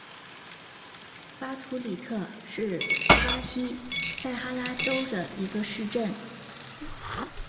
巴图里特是巴西塞阿拉州的一个市镇。